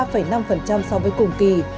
so với cùng kỳ